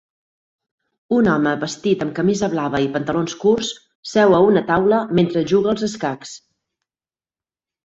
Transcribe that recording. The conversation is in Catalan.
Un home vestit amb camisa blava i pantalons curts seu a una taula mentre juga als escacs.